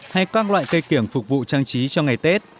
hay các loại cây kiểng phục vụ trang trí cho ngày tết